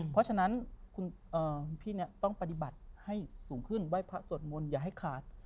เพราะฉะนั้นคุณพี่เนี่ยต้องปฏิบัติให้สูงขึ้นไหว้พระสวดมนต์อย่าให้ขาด